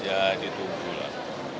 ya ditunggu lah